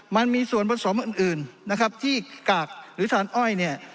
มันมีส่วนผสมอื่นนะครับที่กากหรือทานอ้อยเนี่ย